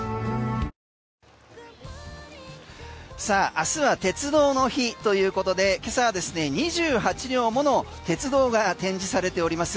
明日は鉄道の日ということで今朝はですね２８両ものを鉄道が展示されております